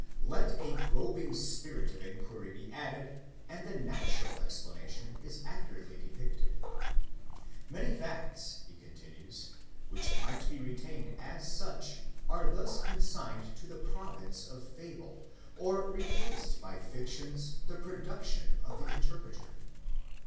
(Let a groping spirit of inquiry be added, and the natural explanation is accurately depicted.) Many facts, he continues, which might be retained as such are thus consigned to the rovince of fable, or replaced by fictions the production of the interpreter.